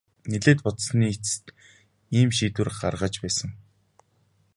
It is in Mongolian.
Нэлээд бодсоны эцэст ийм шийдвэр гаргаж байсан.